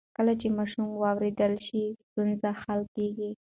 کله چې ماشوم واورېدل شي، ستونزې حل کېږي.